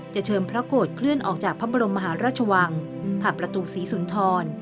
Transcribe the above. เชิญพระโกรธเคลื่อนออกจากพระบรมมหาราชวังผ่านประตูศรีสุนทร